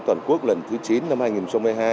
toàn quốc lần thứ chín năm hai nghìn hai mươi hai